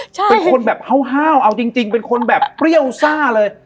เป็นคนแบบห้าวเอาจริงเป็นคนแบบเปรี้ยวซ่าเลย